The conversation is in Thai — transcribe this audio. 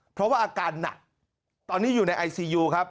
เพราะว่าอาการหนักตอนนี้อยู่ในไอซียูครับ